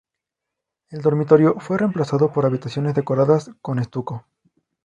El dormitorio fue reemplazado por habitaciones decoradas con estuco.